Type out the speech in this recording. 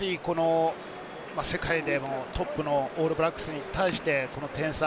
世界でトップのオールブラックスに対してこの点差。